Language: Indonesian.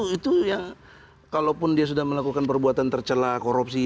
itu ya kalaupun dia sudah melakukan perbuatan tercelah korupsi